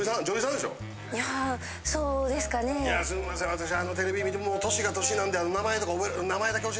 私テレビ観ても年が年なんで名前とか覚え。